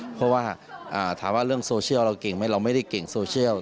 เพราะว่าถามว่าเรื่องโซเชียลเราเก่งไหมเราไม่ได้เก่งโซเชียล